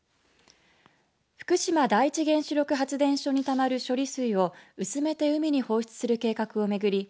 福島第一原子力発電所にたまる処理水を薄めて海に放出する計画を巡り